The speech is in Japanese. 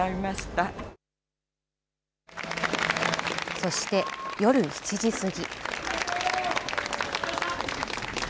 そして、夜７時過ぎ。